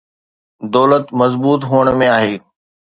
دولت مضبوط هٿن ۾ آهي.